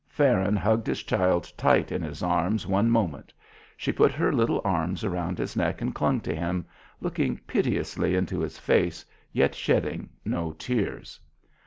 Farron hugged his child tight in his arms one moment. She put her little arms around his neck and clung to him, looking piteously into his face, yet shedding no tears.